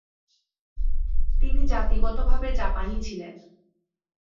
তিনি জাতিগতভাবে জাপানি ছিলেন।